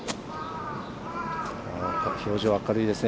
表情、明るいですね。